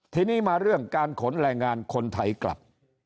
ทีนี้มาเรื่องการขนแรงงานคนไทยกลับ